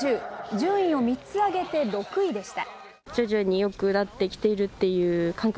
順位を３つ上げて６位でした。